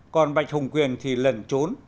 còn bạch hồng quyền thì lẩn trốn